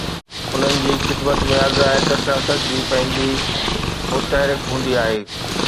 انهن جي خدمت ۾ عرض آهي ته سياست جي پنهنجي متحرڪ هوندي آهي.